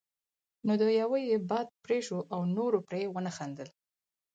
نو د يوه یې باد پرې شو او نورو پرې ونه خندل.